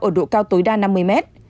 ở độ cao tối đa năm mươi mét